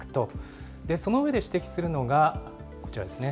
その上で指摘するのが、こちらですね。